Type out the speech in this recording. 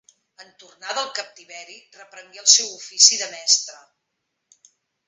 En tornar del captiveri reprengué el seu ofici de mestre.